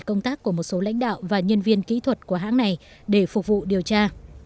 công tác của một số lãnh đạo và nhân viên kỹ thuật của hãng này để phục vụ điều tra